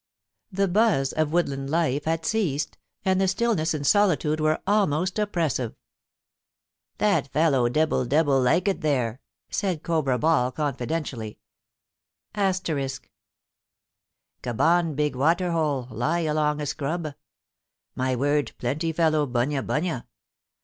The buzz of woodland life had ceased, and the stillness and solitude were almost oppressive. * That fellow Debbil Debbil like it there,' said Cobra Ball, confidentially.* *Cawbawn big water hole, lie along a scrub. My word, plenty fellow bunya bunya.